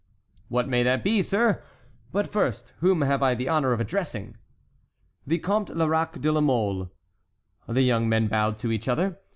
"What may that be, sir,—but first whom have I the honor of addressing?" "The Comte Lerac de la Mole." The young men bowed to each other.